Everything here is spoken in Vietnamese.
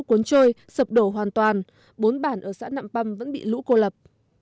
cuốn trôi sập đổ hoàn toàn bốn bản ở xã nạm păm vẫn bị lũ cô lập